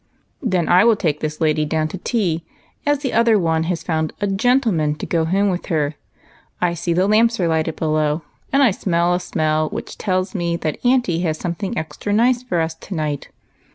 " Then I will take this lady down to tea, as the other one has found a gentleman to go home with her. I see the lamps are lighted below, and I smell a smell which tells me that aunty has something extra nice for us to night."